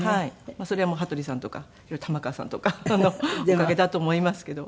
それはもう羽鳥さんとか玉川さんとかのおかげだと思いますけど。